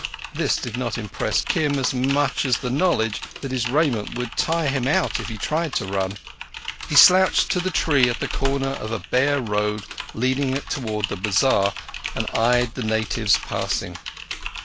This did not impress Kim as much as the knowledge that his raiment would tire him out if he tried to run. He slouched to the tree at the corner of a bare road leading towards the bazar, and eyed the natives passing.